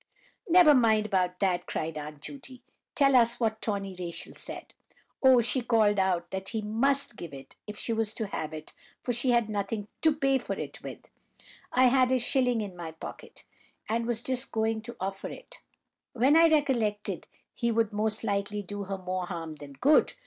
"Never mind about that," cried Aunt Judy. "Tell us what Tawny Rachel said." "Oh, she called out that he must give it, if she was to have it, for she had nothing to pay for it with. I had a shilling in my pocket, and was just going to offer it, when I recollected he would most likely do her more harm than good.